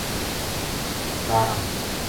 ساراں